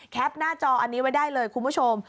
หน้าจออันนี้ไว้ได้เลยคุณผู้ชม